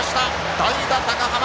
代打高濱。